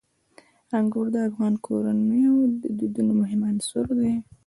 انګور د افغان کورنیو د دودونو مهم عنصر دی.